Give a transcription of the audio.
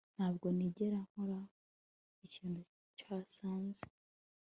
Ntabwo nigera nkora ikintu cyasaze